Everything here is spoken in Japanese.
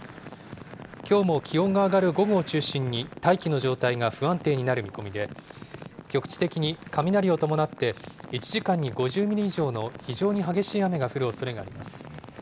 きょうも気温が上がる午後を中心に大気の状態が不安定になる見込みで、局地的に雷を伴って、１時間に５０ミリ以上の非常に激しい雨が降るおそれがあります。